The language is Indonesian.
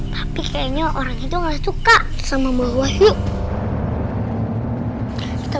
tapi kayaknya orang itu nggak suka sama mahuah yuk